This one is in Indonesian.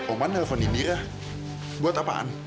oma telpon indira buat apaan